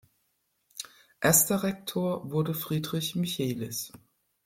Erster Rektor wurde Friedrich Michelis.